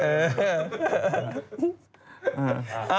เออ